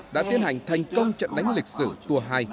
đã tiến hành thành công trận đánh lịch sử tua hai